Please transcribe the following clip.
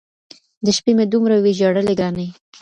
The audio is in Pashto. د شپې مي دومره وي ژړلي ګراني !